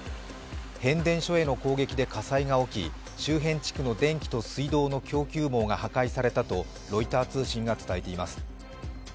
変電所への攻撃で火災が起き、周辺地区の電気と水道の供給網が破壊されたとロイター通信が伝えています。